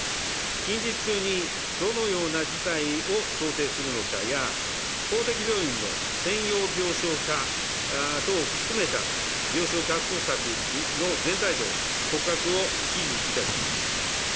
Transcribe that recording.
近日中にどのような事態を想定するのかや、公的病院の専用病床化等を含めた病床確保策の全体像、骨格を指示いたします。